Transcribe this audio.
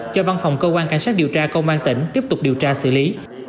cho văn phòng cơ quan cảnh sát điều tra công an tỉnh tiếp tục điều tra xử lý